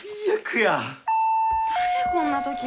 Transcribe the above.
誰こんな時に。